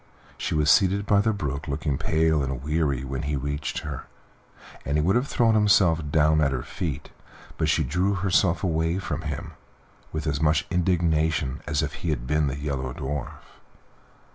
She was seated by the brook looking pale and weary when he reached her, and he would have thrown himself down at her feet, but she drew herself away from him with as much indignation as if he had been the Yellow Dwarf.